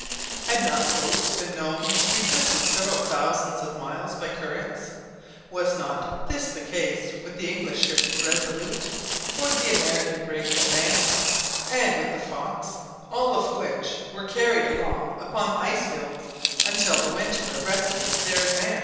Had not boats been known to be drifted several thousands of miles by currents? Was not this the case with the English ship Resolute, the American brig Advance, and with the Fox, all of which were carried along upon ice fields until the winter arrested their advance?